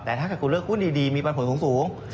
แต่ถ้าเกิดคุณเลือกหุ้นดีมีปันผลสูง